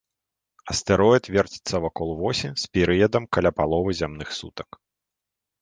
Астэроід верціцца вакол восі з перыядам каля паловы зямных сутак.